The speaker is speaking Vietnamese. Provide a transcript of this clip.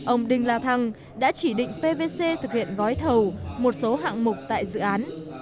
ông đinh la thăng đã chỉ định pvc thực hiện gói thầu một số hạng mục tại dự án